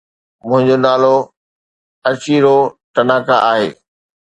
منهنجو نالو Achiro Tanaka آهي.